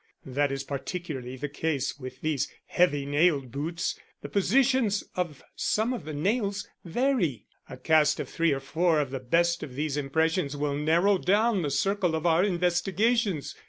That is particularly the case with these heavy nailed boots the positions of some of the nails vary. A cast of three or four of the best of these impressions will narrow down the circle of our investigations.